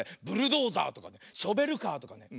ブルドーザーとかショベルカーとか。